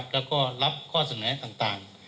แล้วก็รับข้อเสนอต่าง